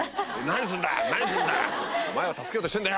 何すんだ！」。